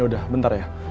ya udah bentar ya